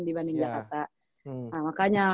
dibanding jakarta nah makanya